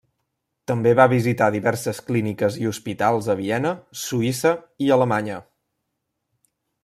També va visitar diverses clíniques i hospitals a Viena, Suïssa i Alemanya.